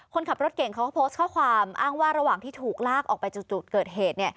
คนขับรถเก่งเขาก็โพสต์ข้อความอ้างว่าระหว่างที่ถูกลากออกไปจุดเกิดเหตุ